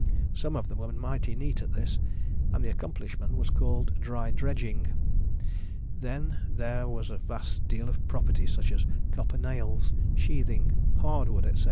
Some of them were mighty neat at this, and the accomplishment wTas called dry dredging. Then, there was a vast deal of property, such as copper nails, sheathing, hardwood, &c.